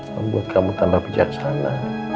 membuat kamu tambah bijaksana